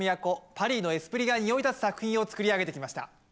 パリのエスプリが匂いたつ作品を作り上げてきました。